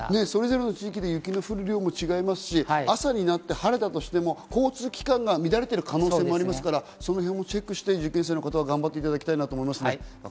それぞれの地域で雪の降る量も違いますし、朝晴れても交通機関が乱れている場合もあるので、そのへんもチェックして受験生の方は頑張っていただきたいなと思います。